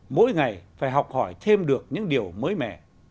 mỗi ngày phải học hỏi thêm được những điều mới mẻ